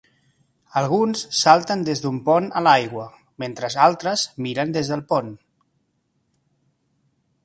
Alguns salten des d'un pont a l'aigua mentre altres miren des del pont.